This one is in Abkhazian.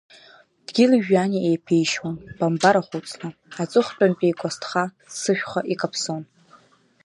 Дгьыли-жәҩани еиԥишьуан бамба рахәыцла, аҵыхәтәантәи икәасҭха ццышәха икаԥсон!